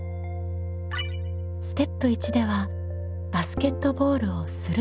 ステップ１ではバスケットボールを「する」